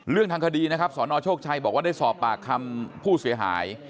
เรื่องทางคดีนะครับสนโชคชัยบอกว่าได้สอบปากคำผู้เสียหาย